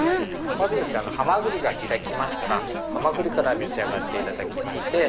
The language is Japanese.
まずハマグリが開きましたらハマグリから召し上がっていただきまして。